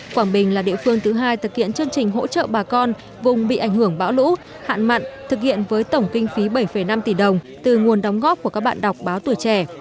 quảng bình là địa phương thứ hai thực hiện chương trình hỗ trợ bà con vùng bị ảnh hưởng bão lũ hạn mặn thực hiện với tổng kinh phí bảy năm tỷ đồng từ nguồn đóng góp của các bạn đọc báo tuổi trẻ